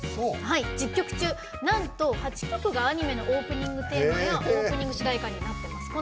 １０曲中、なんと８曲がアニメのオープニングテーマやオープニング主題歌になっています。